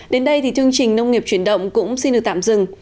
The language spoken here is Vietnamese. đến đây thì chương trình nông nghiệp chuyển động cũng xin được tạm dừng